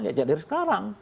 ya dari sekarang